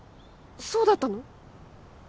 そうだったの！？